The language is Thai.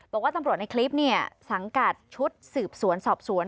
บอกว่าตำรวจในคลิปเนี่ยสังกัดชุดสืบสวนสอบสวน